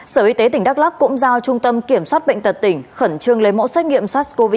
sở y tế tỉnh đắk lắc cũng giao trung tâm kiểm soát bệnh tật tỉnh khẩn trương lấy mẫu xét nghiệm sars cov hai